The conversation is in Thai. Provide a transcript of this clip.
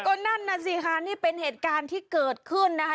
ก็นั่นน่ะสิค่ะนี่เป็นเหตุการณ์ที่เกิดขึ้นนะคะ